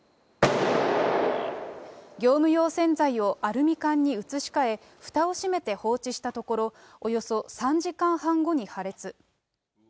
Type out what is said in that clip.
業務用洗剤をアルミ缶に移し替え、ふたを閉めて放置したところ、およそ３時間半後に破裂。